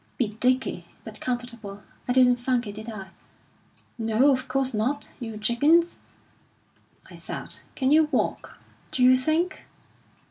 'Bit dicky; but comfortable. I didn't funk it, did I?' 'No, of course not, you juggins!' I said. 'Can you walk, d'you think?'